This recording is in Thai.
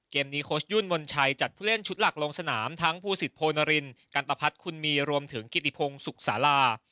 นี้โค้ชยุ่นมนชัยจัดผู้เล่นชุดหลักลงสนามทั้งภูสิตโพนรินกันตะพัดคุณมีรวมถึงกิติพงศุกร์สารา